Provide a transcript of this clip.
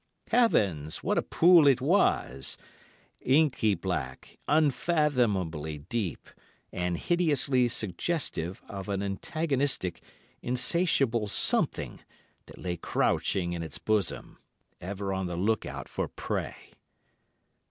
Heavens! what a pool it was—inky black, unfathomably deep, and hideously suggestive of an antagonistic, insatiable something that lay crouching in its bosom, ever on the look out for prey.